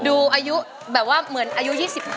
ดูอายุแบบว่าเหมือนอายุ๒๕